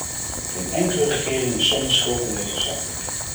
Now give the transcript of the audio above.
Geen enkele regering is zonder schuld in deze zaak!